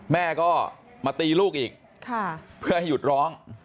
แม่ก็มาตีลูกอีกเพื่อให้หยุดร้อง